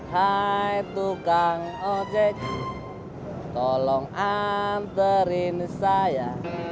hai tukang ojek tolong anterin saya